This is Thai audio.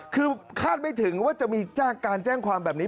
คือคาดไม่ถึงว่าจะมีการแจ้งความแบบนี้